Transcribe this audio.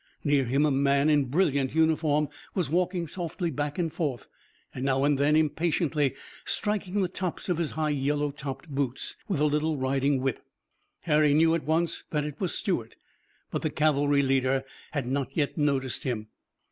Near him a man in brilliant uniform was walking softly back and forth, and now and then impatiently striking the tops of his high yellow topped boots with a little riding whip. Harry knew at once that it was Stuart, but the cavalry leader had not yet noticed him.